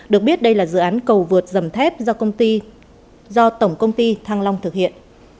được biết đây là dự án cầu vượt dầm thép do tổng công ty thăng long thực hiện